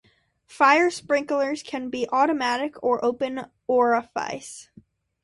Fire sprinklers can be automatic or open orifice.